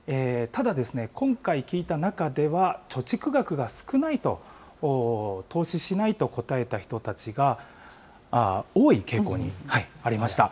ただ、今回聞いた中では、貯蓄額が少ないと、投資しないと答えた人たちが多い傾向にありました。